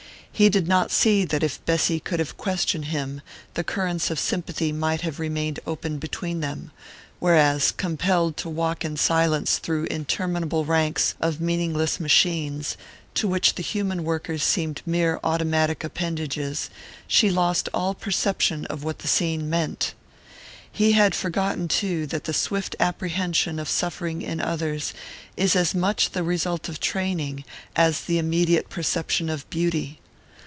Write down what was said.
He did not see that if Bessy could have questioned him the currents of sympathy might have remained open between them, whereas, compelled to walk in silence through interminable ranks of meaningless machines, to which the human workers seemed mere automatic appendages, she lost all perception of what the scene meant. He had forgotten, too, that the swift apprehension of suffering in others is as much the result of training as the immediate perception of beauty.